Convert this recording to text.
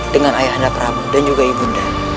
dengan ayah anda prabu dan juga yunda